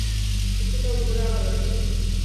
কিন্তু কাল ভোরে আবার আসব।